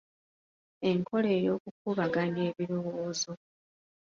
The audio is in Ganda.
Enkola ey'okukubaganya ebirowoozo.